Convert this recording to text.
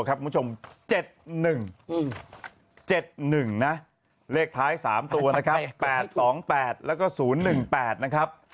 คุณผู้ชม๗๑๗๑นะเลขท้าย๓ตัวนะครับ๘๒๘แล้วก็๐๑๘นะครับ